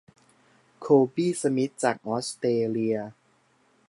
โคบี้ สมิธ จากออสเตรเลีย